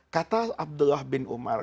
kata abdullah ibni umar